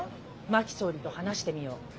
「真木総理と話してみよう」。